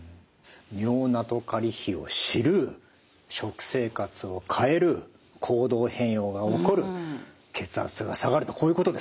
尿ナトカリ比を知る食生活を変える行動変容が起こる血圧が下がるとこういうことですね。